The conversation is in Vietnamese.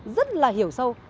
rất là hiểu sâu